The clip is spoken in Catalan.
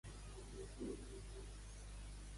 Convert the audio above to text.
En aquest segons cas no hi ha estímuls sorollosos externs.